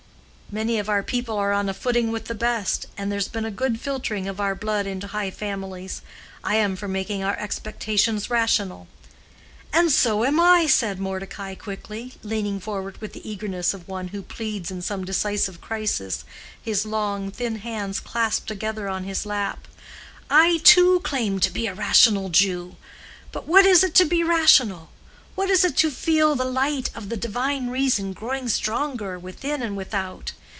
Many of our people are on a footing with the best, and there's been a good filtering of our blood into high families. I am for making our expectations rational." "And so am I!" said Mordecai, quickly, leaning forward with the eagerness of one who pleads in some decisive crisis, his long, thin hands clasped together on his lap. "I, too, claim to be a rational Jew. But what is it to be rational—what is it to feel the light of the divine reason growing stronger within and without?